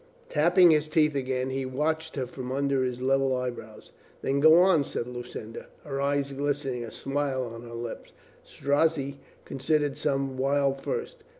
Tapping his teeth again, he watched her from under level eyebrows. "Then, go on," said Lucinda, her eyes glistening, a smile about her lips. Strozzi considered some while first.